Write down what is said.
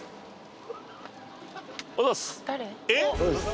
おはようございます。